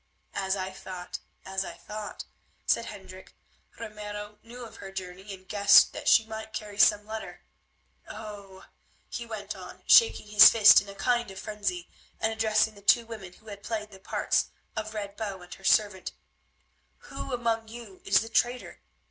"As I thought, as I thought," said Hendrik. "Ramiro knew of her journey and guessed that she might carry some letter. Oh!" he went on, shaking his fist in a kind of frenzy, and addressing the two women who had played the parts of Red Bow and her servant, "who among you is the traitor?